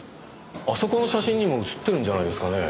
あそこの写真にも写ってるんじゃないですかね。